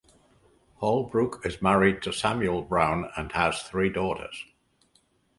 Holbrook is married to Samuel Brown and has three daughters.